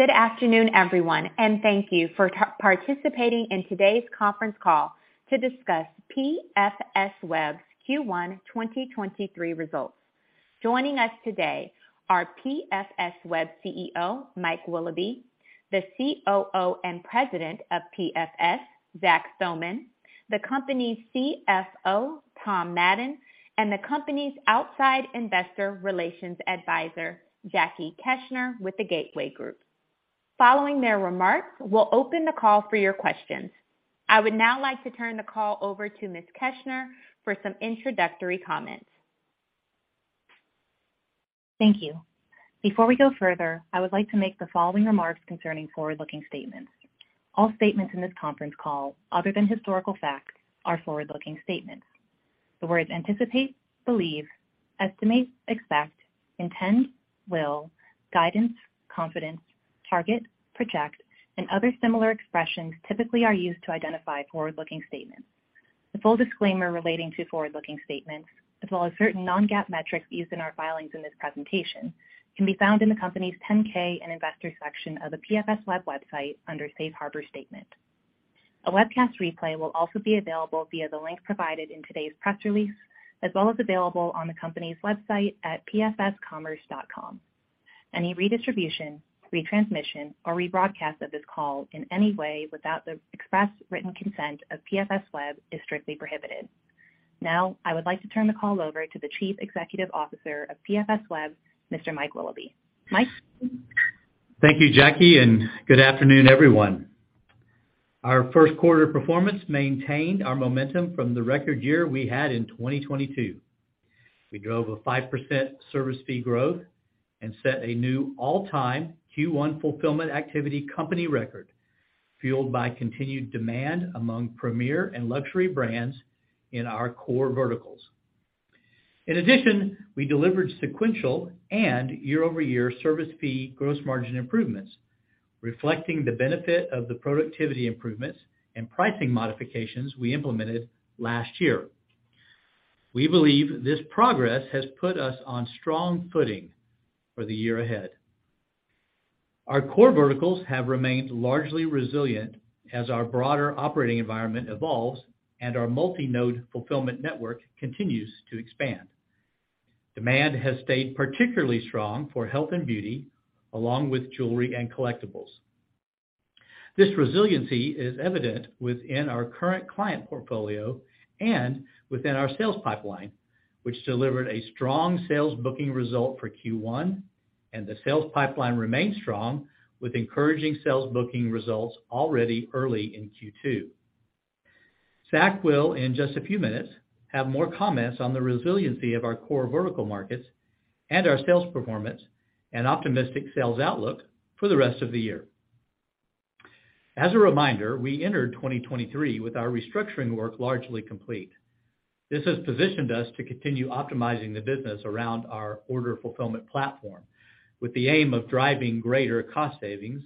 Good afternoon, everyone, and thank you for participating in today's conference call to discuss PFSweb's Q1 2023 results. Joining us today are PFSweb's CEO, Mike Willoughby, the COO and President of PFS, Zach Thomann, the company's CFO, Tom Madden, and the company's outside investor relations advisor, Jackie Keshner, with the Gateway Group. Following their remarks, we'll open the call for your questions. I would now like to turn the call over to Ms. Keshner for some introductory comments. Thank you. Before we go further, I would like to make the following remarks concerning forward-looking statements. All statements in this conference call, other than historical facts, are forward-looking statements. The words anticipate, believe, estimate, expect, intend, will, guidance, confidence, target, project, and other similar expressions, typically are used to identify forward-looking statements. The full disclaimer relating to forward-looking statements, as well as certain non-GAAP metrics used in our filings in this presentation, can be found in the company's 10-K and investor section of the PFSweb website under Safe Harbor Statement. A webcast replay will also be available via the link provided in today's press release, as well as available on the company's website at pfscommerce.com. Any redistribution, retransmission, or rebroadcast of this call in any way without the express written consent of PFSweb is strictly prohibited. Now I would like to turn the call over to the Chief Executive Officer of PFSweb, Mr. Mike Willoughby. Mike? Thank you, Jackie. Good afternoon, everyone. Our first quarter performance maintained our momentum from the record year we had in 2022. We drove a 5% service fee growth and set a new all-time Q1 fulfillment activity company record, fueled by continued demand among premier and luxury brands in our core verticals. In addition, we delivered sequential and year-over-year service fee gross margin improvements, reflecting the benefit of the productivity improvements and pricing modifications we implemented last year. We believe this progress has put us on strong footing for the year ahead. Our core verticals have remained largely resilient as our broader operating environment evolves and our multi-node fulfillment network continues to expand. Demand has stayed particularly strong for health and beauty, along with jewelry and collectibles. This resiliency is evident within our current client portfolio and within our sales pipeline, which delivered a strong sales booking result for Q1. The sales pipeline remains strong with encouraging sales booking results already early in Q2. Zach will, in just a few minutes, have more comments on the resiliency of our core vertical markets and our sales performance and optimistic sales outlook for the rest of the year. As a reminder, we entered 2023 with our restructuring work largely complete. This has positioned us to continue optimizing the business around our order fulfillment platform with the aim of driving greater cost savings,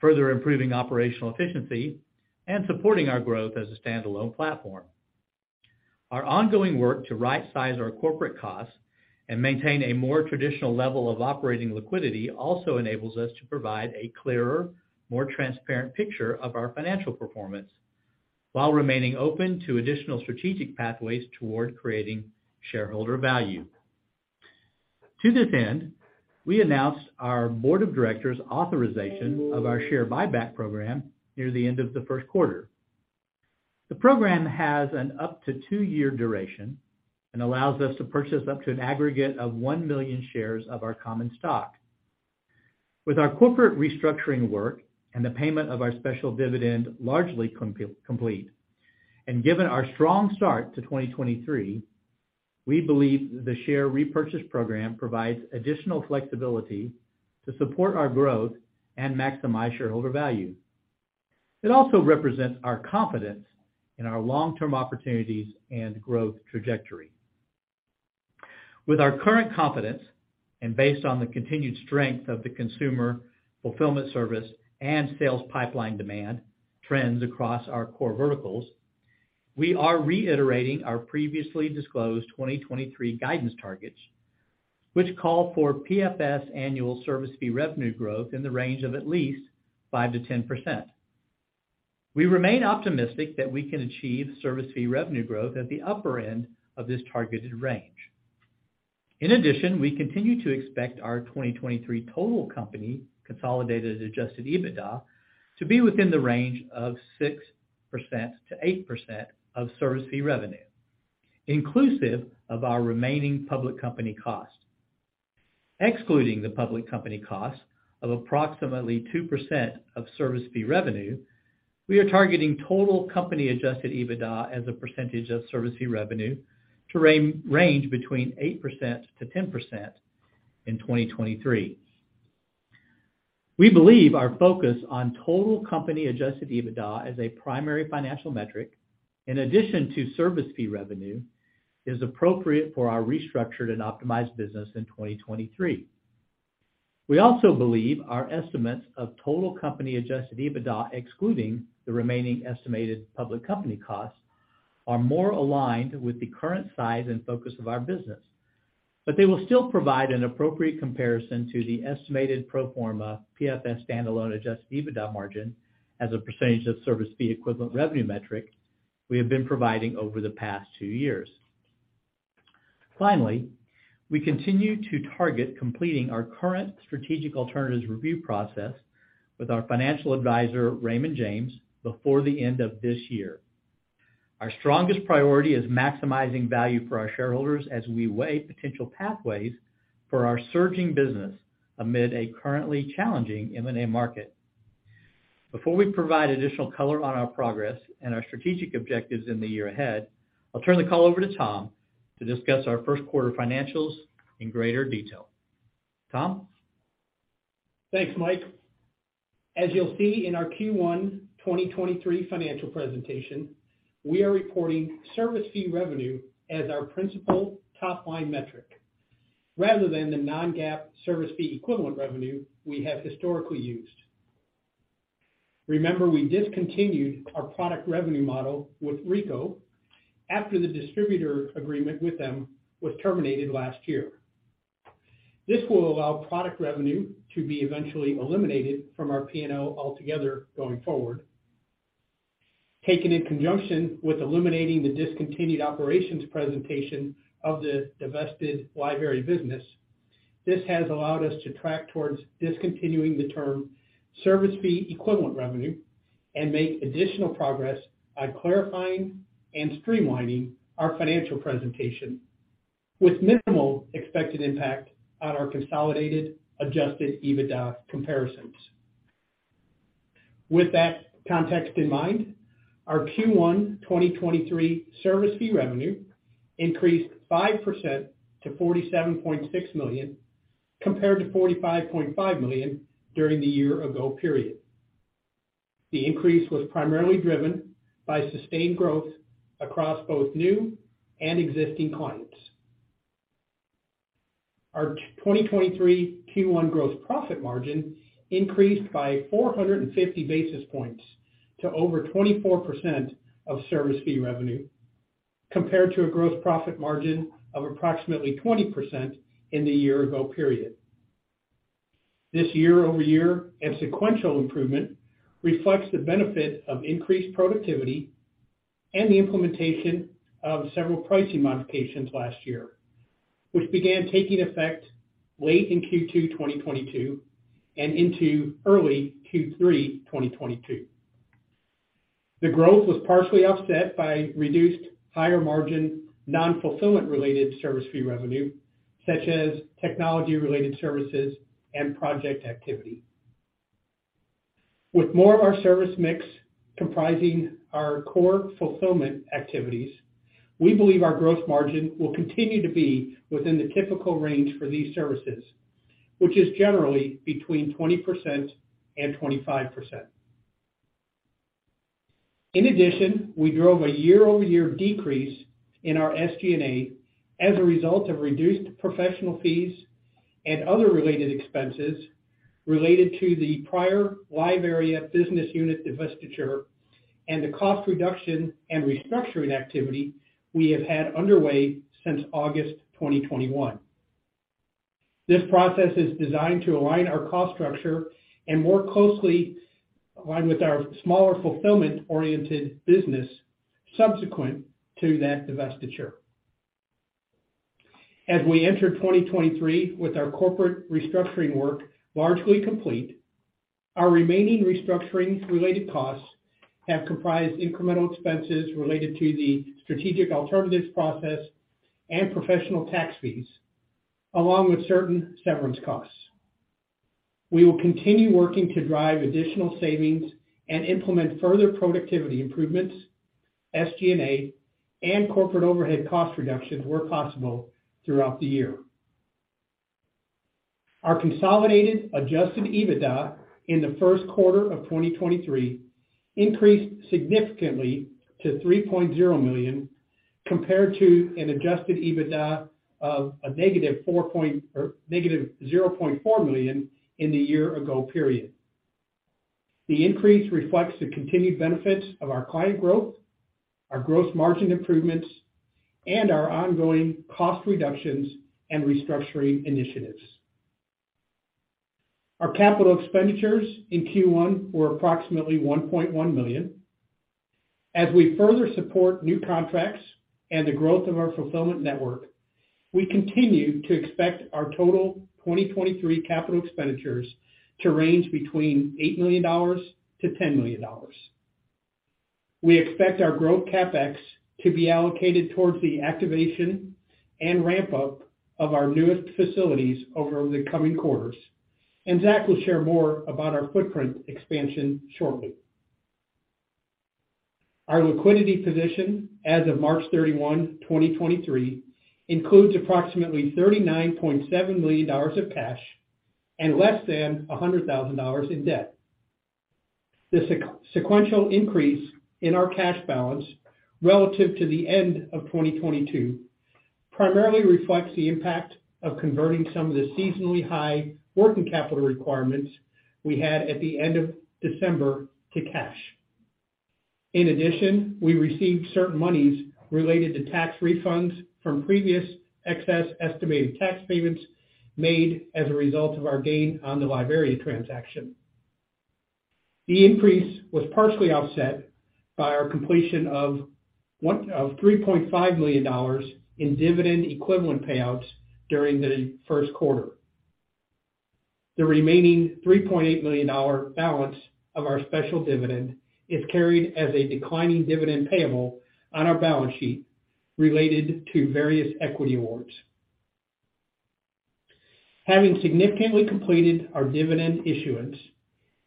further improving operational efficiency, and supporting our growth as a standalone platform. Our ongoing work to right-size our corporate costs and maintain a more traditional level of operating liquidity also enables us to provide a clearer, more transparent picture of our financial performance while remaining open to additional strategic pathways toward creating shareholder value. To this end, we announced our board of directors' authorization of our share buyback program near the end of the first quarter. The program has an up to two-year duration and allows us to purchase up to an aggregate of 1 million shares of our common stock. With our corporate restructuring work and the payment of our special dividend largely complete, and given our strong start to 2023, we believe the share repurchase program provides additional flexibility to support our growth and maximize shareholder value. It also represents our confidence in our long-term opportunities and growth trajectory. With our current confidence, based on the continued strength of the consumer fulfillment service and sales pipeline demand trends across our core verticals, we are reiterating our previously disclosed 2023 guidance targets, which call for PFS annual service fee revenue growth in the range of at least 5%-10%. We remain optimistic that we can achieve service fee revenue growth at the upper end of this targeted range. In addition, we continue to expect our 2023 total company consolidated adjusted EBITDA to be within the range of 6%-8% of service fee revenue, inclusive of our remaining public company cost. Excluding the public company cost of approximately 2% of service fee revenue, we are targeting total company adjusted EBITDA as a percentage of service fee revenue to range between 8%-10% in 2023. We believe our focus on total company adjusted EBITDA as a primary financial metric, in addition to service fee revenue, is appropriate for our restructured and optimized business in 2023. We also believe our estimates of total company adjusted EBITDA, excluding the remaining estimated public company costs, are more aligned with the current size and focus of our business. They will still provide an appropriate comparison to the estimated pro forma PFS standalone adjusted EBITDA margin as a percentage of service fee equivalent revenue metric we have been providing over the past two years. Finally, we continue to target completing our current strategic alternatives review process with our financial advisor, Raymond James, before the end of this year. Our strongest priority is maximizing value for our shareholders as we weigh potential pathways for our surging business amid a currently challenging M&A market. Before we provide additional color on our progress and our strategic objectives in the year ahead, I'll turn the call over to Tom to discuss our first quarter financials in greater detail. Tom? Thanks, Mike. As you'll see in our Q1 2023 financial presentation, we are reporting service fee revenue as our principal top-line metric rather than the non-GAAP service fee equivalent revenue we have historically used. Remember, we discontinued our product revenue model with Ricoh after the distributor agreement with them was terminated last year. This will allow product revenue to be eventually eliminated from our P&L altogether going forward. Taken in conjunction with eliminating the discontinued operations presentation of the divested LiveArea business, this has allowed us to track towards discontinuing the term service fee equivalent revenue and make additional progress on clarifying and streamlining our financial presentation with minimal expected impact on our consolidated adjusted EBITDA comparisons. With that context in mind, our Q1 2023 service fee revenue increased 5% to $47.6 million, compared to $45.5 million during the year ago period. The increase was primarily driven by sustained growth across both new and existing clients. Our 2023 Q1 gross profit margin increased by 450 basis points to over 24% of service fee revenue, compared to a gross profit margin of approximately 20% in the year ago period. This year-over-year and sequential improvement reflects the benefit of increased productivity and the implementation of several pricing modifications last year, which began taking effect late in Q2 2022 and into early Q3 2022. The growth was partially offset by reduced higher margin nonfulfillment related service fee revenue such as technology related services and project activity. With more of our service mix comprising our core fulfillment activities, we believe our gross margin will continue to be within the typical range for these services, which is generally between 20% and 25%. In addition, we drove a year-over-year decrease in our SG&A as a result of reduced professional fees and other related expenses related to the prior LiveArea business unit divestiture and the cost reduction and restructuring activity we have had underway since August 2021. This process is designed to align our cost structure and more closely align with our smaller fulfillment-oriented business subsequent to that divestiture. As we entered 2023 with our corporate restructuring work largely complete, our remaining restructuring-related costs have comprised incremental expenses related to the strategic alternatives process and professional tax fees, along with certain severance costs. We will continue working to drive additional savings and implement further productivity improvements, SG&A, and corporate overhead cost reductions where possible throughout the year. Our consolidated adjusted EBITDA in the first quarter of 2023 increased significantly to $3.0 million, compared to an adjusted EBITDA of -$0.4 million in the year ago period. The increase reflects the continued benefits of our client growth, our gross margin improvements, and our ongoing cost reductions and restructuring initiatives. Our capital expenditures in Q1 were approximately $1.1 million. As we further support new contracts and the growth of our fulfillment network, we continue to expect our total 2023 capital expenditures to range between $8 million-$10 million. We expect our growth CapEx to be allocated towards the activation and ramp up of our newest facilities over the coming quarters, and Zach will share more about our footprint expansion shortly. Our liquidity position as of March 31, 2023, includes approximately $39.7 million of cash and less than $100,000 in debt. The sequential increase in our cash balance relative to the end of 2022 primarily reflects the impact of converting some of the seasonally high working capital requirements we had at the end of December to cash. In addition, we received certain monies related to tax refunds from previous excess estimated tax payments made as a result of our gain on the LiveArea transaction. The increase was partially offset by our completion of $35 million in dividend equivalent payouts during the first quarter. The remaining $3.8 million balance of our special dividend is carried as a declining dividend payable on our balance sheet related to various equity awards. Having significantly completed our dividend issuance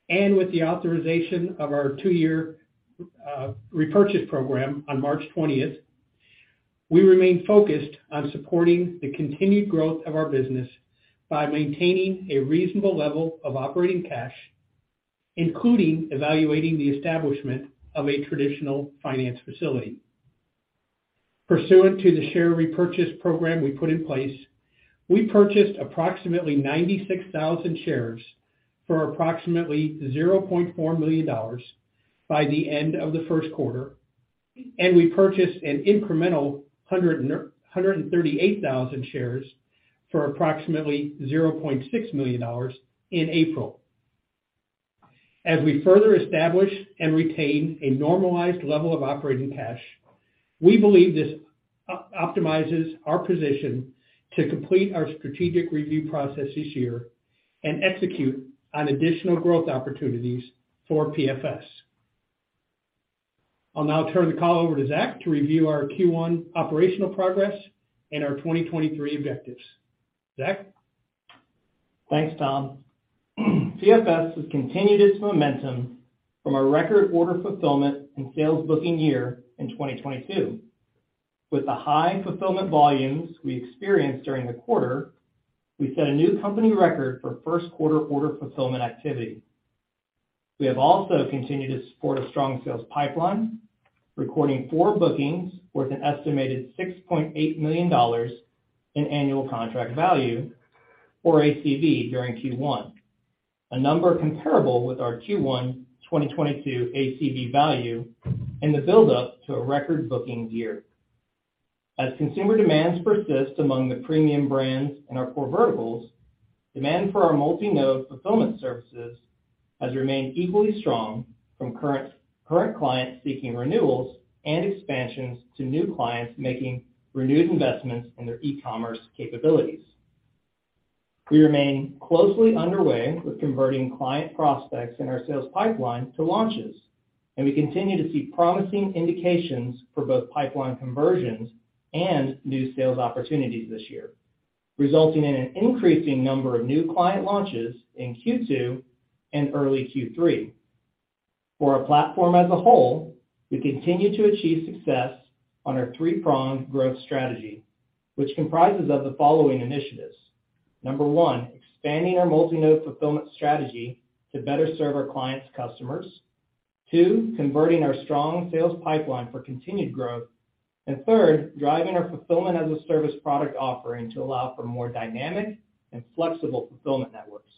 and with the authorization of our two-year repurchase program on March 20th, we remain focused on supporting the continued growth of our business by maintaining a reasonable level of operating cash, including evaluating the establishment of a traditional finance facility. Pursuant to the share repurchase program we put in place, we purchased approximately 96,000 shares for approximately $0.4 million by the end of the first quarter, and we purchased an incremental 138,000 shares for approximately $0.6 million in April. As we further establish and retain a normalized level of operating cash, we believe this optimizes our position to complete our strategic review process this year and execute on additional growth opportunities for PFS. I'll now turn the call over to Zach to review our Q1 operational progress and our 2023 objectives. Zach? Thanks, Tom. PFS has continued its momentum from a record order fulfillment and sales booking year in 2022. With the high fulfillment volumes we experienced during the quarter, we set a new company record for first quarter order fulfillment activity. We have also continued to support a strong sales pipeline, recording four bookings worth an estimated $6.8 million in annual contract value or ACV during Q1. A number comparable with our Q1 2022 ACV value and the buildup to a record bookings year. As consumer demands persist among the premium brands and our core verticals, demand for our multi-node fulfillment services has remained equally strong from current clients seeking renewals and expansions to new clients making renewed investments in their e-commerce capabilities. We remain closely underway with converting client prospects in our sales pipeline to launches, and we continue to see promising indications for both pipeline conversions and new sales opportunities this year, resulting in an increasing number of new client launches in Q2 and early Q3. For our platform as a whole, we continue to achieve success on our three-pronged growth strategy, which comprises of the following initiatives. Number one, expanding our multi-node fulfillment strategy to better serve our clients' customers. Two, converting our strong sales pipeline for continued growth. Third, driving our Fulfillment-as-a-Service product offering to allow for more dynamic and flexible fulfillment networks.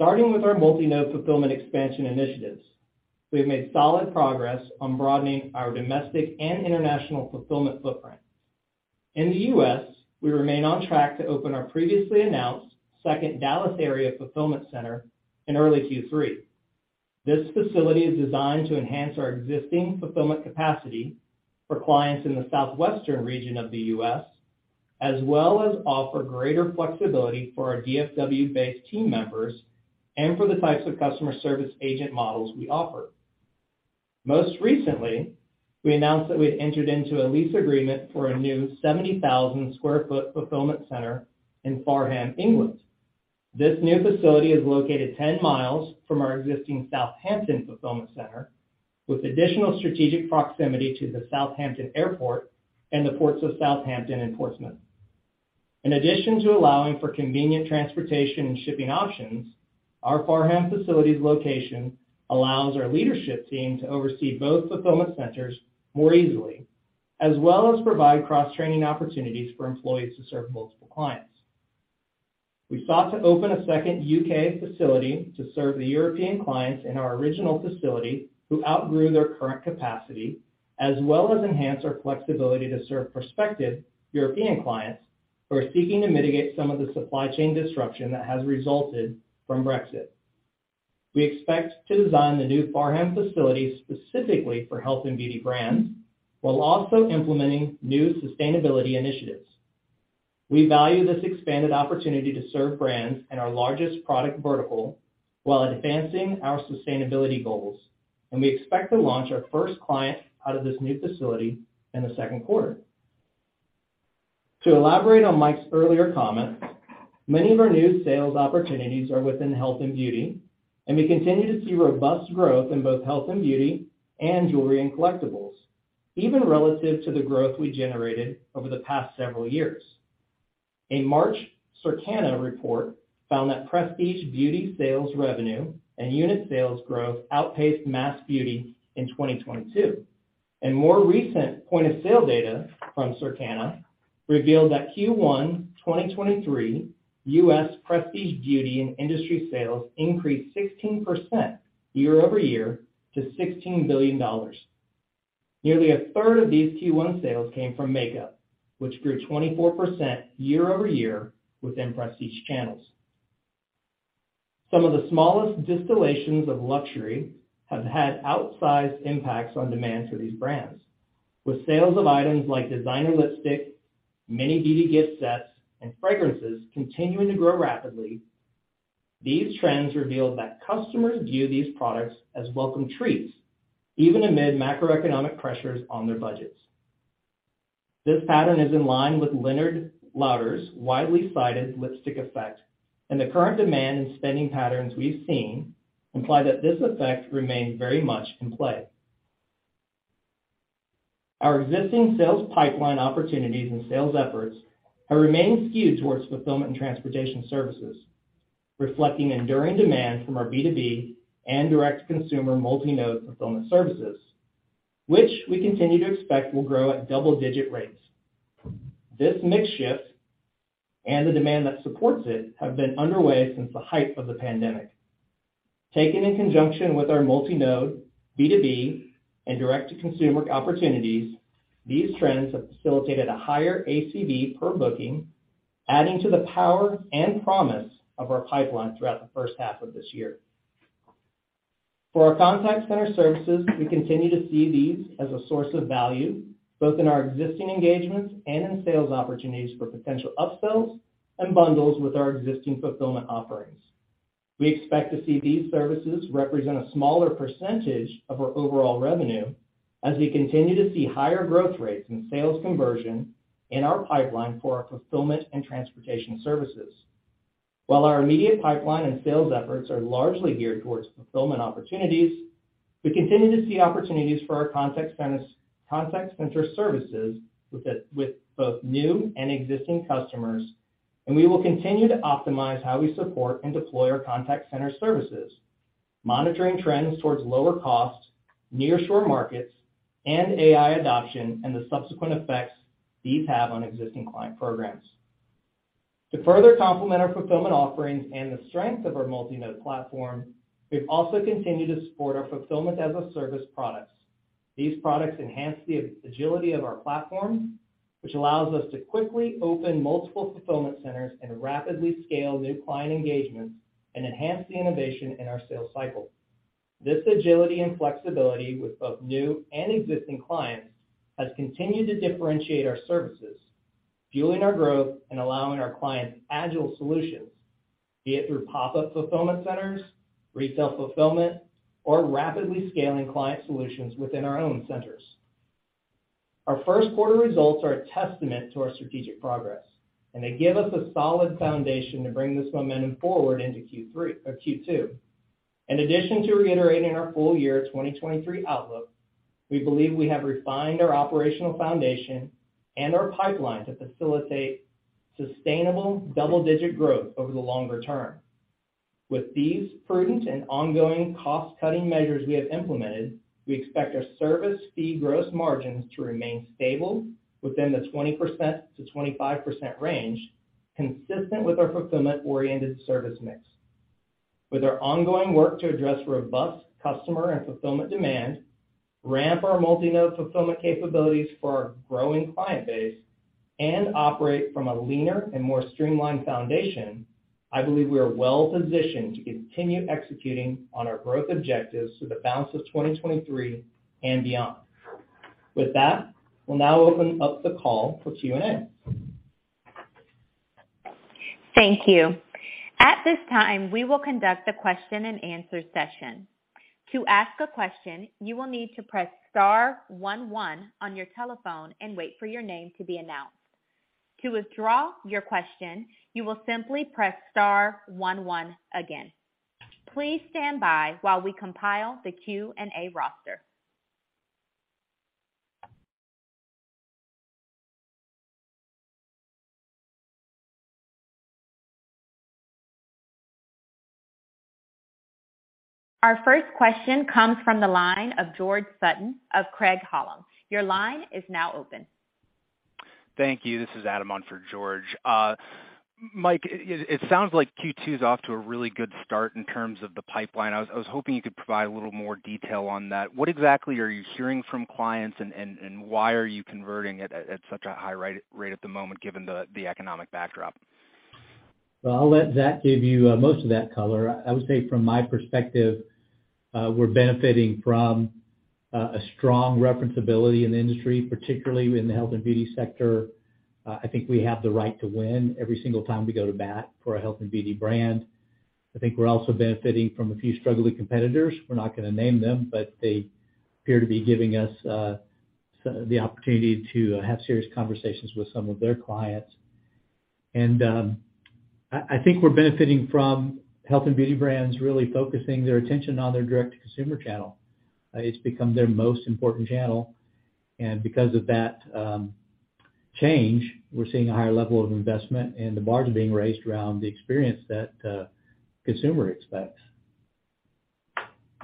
Starting with our multi-node fulfillment expansion initiatives, we've made solid progress on broadening our domestic and international fulfillment footprint. In the U.S., we remain on track to open our previously announced second Dallas area fulfillment center in early Q3. This facility is designed to enhance our existing fulfillment capacity for clients in the southwestern region of the U.S., as well as offer greater flexibility for our DFW-based team members and for the types of customer service agent models we offer. Most recently, we announced that we had entered into a lease agreement for a new 70,000 sq ft fulfillment center in Fareham, England. This new facility is located 10 mi from our existing Southampton fulfillment center, with additional strategic proximity to the Southampton Airport and the ports of Southampton and Portsmouth. In addition to allowing for convenient transportation and shipping options, our Fareham facility's location allows our leadership team to oversee both fulfillment centers more easily, as well as provide cross-training opportunities for employees to serve multiple clients. We sought to open a second U.K. facility to serve the European clients in our original facility who outgrew their current capacity, as well as enhance our flexibility to serve prospective European clients who are seeking to mitigate some of the supply chain disruption that has resulted from Brexit. We expect to design the new Fareham facility specifically for health and beauty brands while also implementing new sustainability initiatives. We value this expanded opportunity to serve brands in our largest product vertical while advancing our sustainability goals, and we expect to launch our first client out of this new facility in the second quarter. To elaborate on Mike's earlier comments, many of our new sales opportunities are within health and beauty, and we continue to see robust growth in both health and beauty and jewelry and collectibles, even relative to the growth we generated over the past several years. A March Circana report found that prestige beauty sales revenue and unit sales growth outpaced mass beauty in 2022. More recent point of sale data from Circana revealed that Q1 2023 U.S. prestige beauty and industry sales increased 16% year-over-year to $16 billion. Nearly a third of these Q1 sales came from makeup, which grew 24% year-over-year within prestige channels. Some of the smallest distillations of luxury have had outsized impacts on demand for these brands. With sales of items like designer lipstick, mini beauty gift sets, and fragrances continuing to grow rapidly, these trends revealed that customers view these products as welcome treats even amid macroeconomic pressures on their budgets. This pattern is in line with Leonard Lauder's widely cited lipstick effect, and the current demand and spending patterns we've seen imply that this effect remains very much in play. Our existing sales pipeline opportunities and sales efforts have remained skewed towards fulfillment and transportation services, reflecting enduring demand from our B2B and direct-to-consumer multi-node fulfillment services, which we continue to expect will grow at double-digit rates. This mix shift and the demand that supports it have been underway since the height of the pandemic. Taken in conjunction with our multi-node B2B and direct-to-consumer opportunities, these trends have facilitated a higher ACV per booking, adding to the power and promise of our pipeline throughout the first half of this year. For our contact center services, we continue to see these as a source of value, both in our existing engagements and in sales opportunities for potential upsells and bundles with our existing fulfillment offerings. We expect to see these services represent a smaller percentage of our overall revenue as we continue to see higher growth rates and sales conversion in our pipeline for our fulfillment and transportation services. While our immediate pipeline and sales efforts are largely geared towards fulfillment opportunities, we continue to see opportunities for our contact centers, contact center services with both new and existing customers, and we will continue to optimize how we support and deploy our contact center services, monitoring trends towards lower cost, nearshore markets, and AI adoption, and the subsequent effects these have on existing client programs. To further complement our fulfillment offerings and the strength of our multi-node platform, we've also continued to support our Fulfillment-as-a-Service products. These products enhance the agility of our platform, which allows us to quickly open multiple fulfillment centers and rapidly scale new client engagements and enhance the innovation in our sales cycle. This agility and flexibility with both new and existing clients has continued to differentiate our services, fueling our growth and allowing our clients agile solutions, be it through pop-up fulfillment centers, resale fulfillment, or rapidly scaling client solutions within our own centers. Our first quarter results are a testament to our strategic progress. They give us a solid foundation to bring this momentum forward into Q3, Q2. In addition to reiterating our full year 2023 outlook, we believe we have refined our operational foundation and our pipeline to facilitate sustainable double-digit growth over the longer term. With these prudent and ongoing cost-cutting measures we have implemented, we expect our service fee gross margins to remain stable within the 20%-25% range, consistent with our fulfillment-oriented service mix. With our ongoing work to address robust customer and fulfillment demand, ramp our multi-node fulfillment capabilities for our growing client base, and operate from a leaner and more streamlined foundation, I believe we are well positioned to continue executing on our growth objectives through the balance of 2023 and beyond. With that, we'll now open up the call for Q&A. Thank you. At this time, we will conduct a question-and-answer session. To ask a question, you will need to press star one one on your telephone and wait for your name to be announced. To withdraw your question, you will simply press star one one again. Please stand by while we compile the Q&A roster. Our first question comes from the line of George Sutton of Craig-Hallum. Your line is now open. Thank you. This is Adam on for George. Mike, it sounds like Q2 is off to a really good start in terms of the pipeline. I was hoping you could provide a little more detail on that. What exactly are you hearing from clients and why are you converting at such a high rate at the moment given the economic backdrop? Well, I'll let Zach give you most of that color. I would say from my perspective, we're benefiting from a strong referenceability in the industry, particularly in the health and beauty sector. I think we have the right to win every single time we go to bat for a health and beauty brand. I think we're also benefiting from a few struggling competitors. We're not gonna name them, but they appear to be giving us the opportunity to have serious conversations with some of their clients. I think we're benefiting from health and beauty brands really focusing their attention on their direct-to-consumer channel. It's become their most important channel. Because of that. Change. We're seeing a higher level of investment and the bar is being raised around the experience that consumer expects.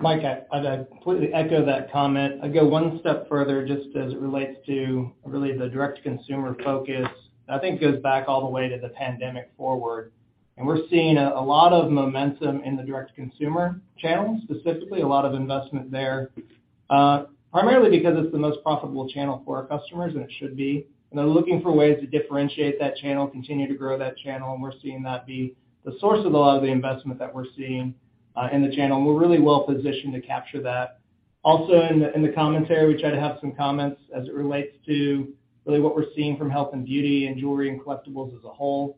Mike, I completely echo that comment. I go one step further just as it relates to really the direct-to-consumer focus. I think it goes back all the way to the pandemic forward. We're seeing a lot of momentum in the direct-to-consumer channels, specifically a lot of investment there, primarily because it's the most profitable channel for our customers, and it should be. They're looking for ways to differentiate that channel, continue to grow that channel, and we're seeing that be the source of a lot of the investment that we're seeing in the channel. We're really well positioned to capture that. Also in the commentary, we try to have some comments as it relates to really what we're seeing from health and beauty and jewelry and collectibles as a whole.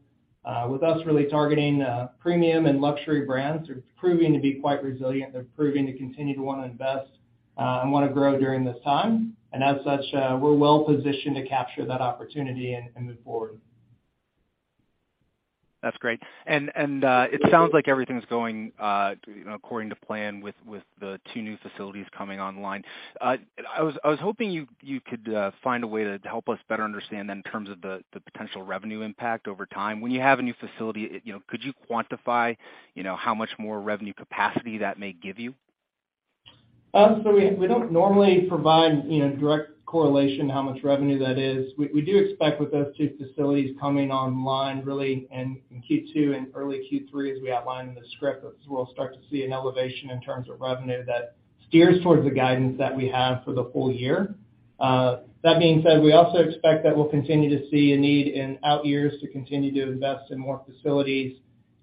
With us really targeting premium and luxury brands, they're proving to be quite resilient. They're proving to continue to wanna invest and wanna grow during this time. As such, we're well positioned to capture that opportunity and move forward. That's great. It sounds like everything's going, you know, according to plan with the two new facilities coming online. I was hoping you could find a way to help us better understand then in terms of the potential revenue impact over time. When you have a new facility, you know, could you quantify, you know, how much more revenue capacity that may give you? We don't normally provide, you know, direct correlation how much revenue that is. We do expect with those two facilities coming online really in Q2 and early Q3 as we outlined in the script, as we'll start to see an elevation in terms of revenue that steers towards the guidance that we have for the full year. That being said, we also expect that we'll continue to see a need in out years to continue to invest in more facilities.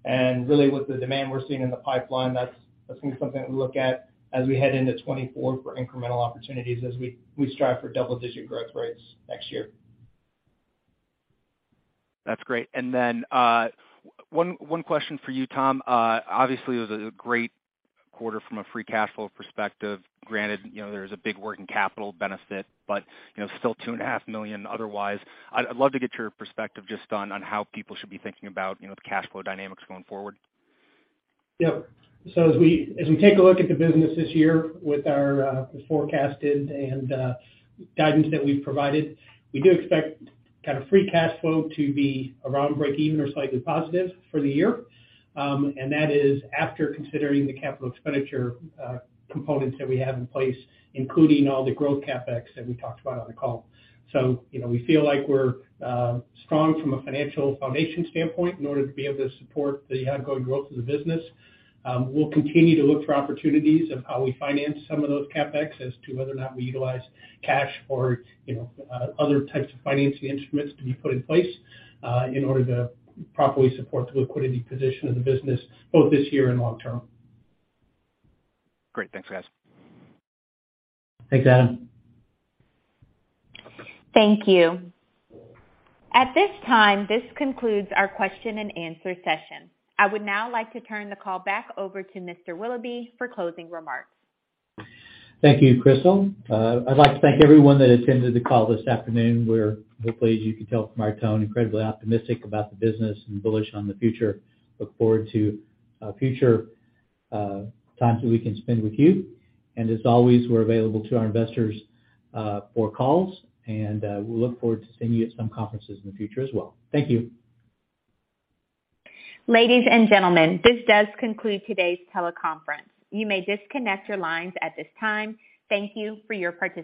Really with the demand we're seeing in the pipeline, that's gonna be something that we look at as we head into 2024 for incremental opportunities as we strive for double-digit growth rates next year. That's great. One question for you, Tom. Obviously, it was a great quarter from a free cash flow perspective. Granted, you know, there was a big working capital benefit, but, you know, still 2.5 million otherwise. I'd love to get your perspective just on how people should be thinking about, you know, the cash flow dynamics going forward. Yep. As we take a look at the business this year with our as forecasted and guidance that we've provided, we do expect kind of free cash flow to be around breakeven or slightly positive for the year. That is after considering the capital expenditure components that we have in place, including all the growth CapEx that we talked about on the call. You know, we feel like we're strong from a financial foundation standpoint in order to be able to support the ongoing growth of the business. We'll continue to look for opportunities of how we finance some of those CapEx as to whether or not we utilize cash or, you know, other types of financing instruments to be put in place, in order to properly support the liquidity position of the business, both this year and long term. Great. Thanks, guys. Thanks, Adam. Thank you. At this time, this concludes our question and answer session. I would now like to turn the call back over to Mr. Willoughby for closing remarks. Thank you, Crystal. I'd like to thank everyone that attended the call this afternoon. We're hopefully, as you can tell from our tone, incredibly optimistic about the business and bullish on the future. Look forward to future times that we can spend with you. As always, we're available to our investors for calls, and we look forward to seeing you at some conferences in the future as well. Thank you. Ladies and gentlemen, this does conclude today's teleconference. You may disconnect your lines at this time. Thank you for your participation.